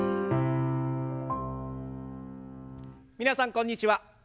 皆さんこんにちは。